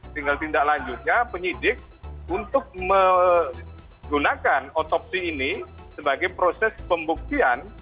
tinggal tindak lanjutnya penyidik untuk menggunakan otopsi ini sebagai proses pembuktian